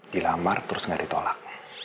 dilamar terus gak ditolak